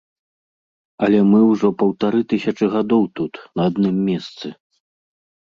Але мы ўжо паўтары тысячы гадоў тут, на адным месцы.